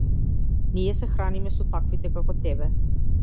Ние се храниме со таквите како тебе.